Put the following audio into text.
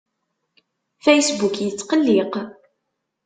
Facebook yettqelliq.